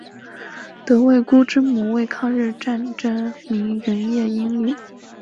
傅慰孤之母为抗日战争名人叶因绿。